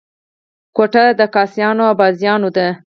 کوټه د کاسيانو او بازیانو ده.